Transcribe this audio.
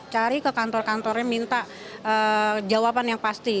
cari ke kantor kantornya minta jawaban yang pasti